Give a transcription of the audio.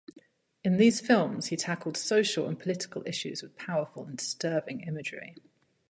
In these films he tackled social and political issues with powerful and disturbing imagery.